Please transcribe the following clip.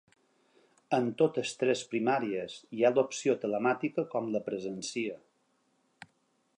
En totes tres primàries hi ha l’opció telemàtica com la presencia.